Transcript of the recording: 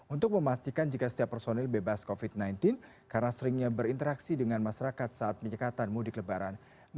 untuk memastikan jika setiap personil bebas covid sembilan belas karena seringnya berinteraksi dengan masyarakat saat penyekatan mudik lebaran